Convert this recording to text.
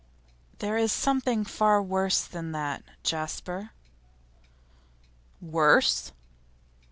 'There is something far worse than that, Jasper.' 'Worse?